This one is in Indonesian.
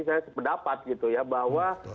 sepedapat gitu ya bahwa